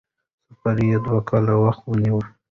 سفر یې دوه کاله وخت ونیو.